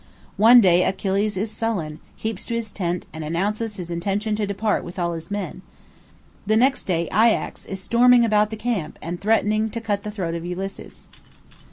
One day Achilles is sullen, keeps his tent, and announces his intention to depart with all his men. The next day Ajax is storming about the camp, and threatening to cut the throat of Ulysses.